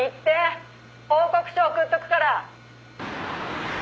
報告書送っておくから」